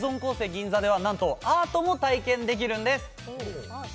銀座ではなんとアートも体験できるんです